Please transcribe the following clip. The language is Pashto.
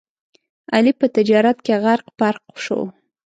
علي په تجارت کې غرق پرق شو.